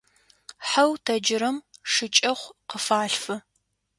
Жьэу тэджырэм шыкӀэхъу къыфалъфы.